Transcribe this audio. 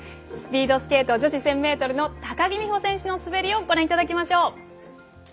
スピードスケート女子１０００ｍの高木美帆選手の滑りをご覧いただきましょう。